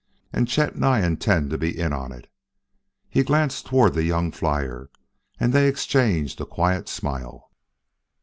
"And Chet and I intend to be in on it." He glanced toward the young flyer, and they exchanged a quiet smile.